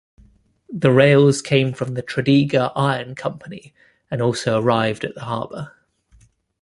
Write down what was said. The rails came from the Tredegar Iron Co, and also arrived at the harbour.